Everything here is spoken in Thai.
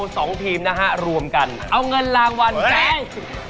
ทุกทีมนะฮะรวมกันเอาเงินรางวัลแจ้ง